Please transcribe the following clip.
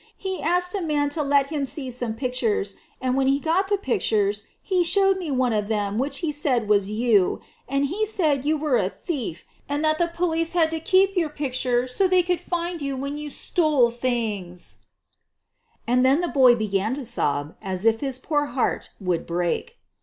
He asked a man to let him see some pictures, and when he got the pictures he showed me one of them which he said was you; and he said you were a thief and the police had to keep your picture so they could find you when you stole things," and then the boy began to sob as if his poor heart would break.